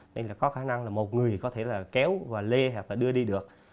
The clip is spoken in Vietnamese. nên là có khả năng là một người có thể là kéo và lê và đưa đi được